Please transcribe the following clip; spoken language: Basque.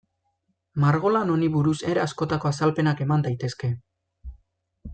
Margolan honi buruz era askotako azalpenak eman daitezke.